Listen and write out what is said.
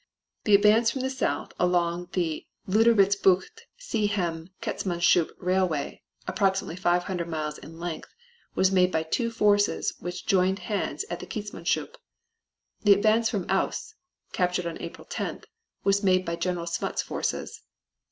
The advance from the south along the Luderitzbucht Seeheim Keetmanshoop Railway, approximately 500 miles in length, was made by two forces which joined hands at Keetmanshoop. The advance from Aus (captured on April 10th) was made by General Smuts's forces.